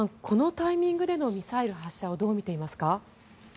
このタイミングでのミサイル発射をどう見ていますか？